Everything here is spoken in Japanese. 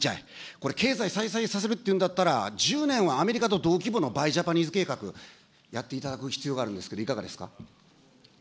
これ、経済再生させるっていうんだったら、１０年はアメリカと同規模のバイ・ジャパニーズ計画やっていただく必要があるんですけど、いかがですか。